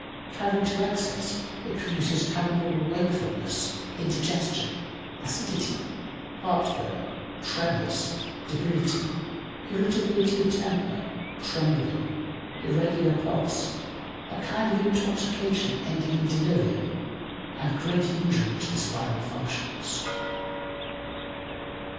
Carried to excess it produces abnormal wakefulness, indigestion, acidity, heartburn, tremors, debility, irritability of temper, trembling, irregular pulse, a kind of intoxication ending in delirium, and great injury to the spinal functions.